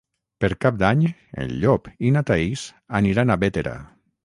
Per Cap d'Any en Llop i na Thaís aniran a Bétera.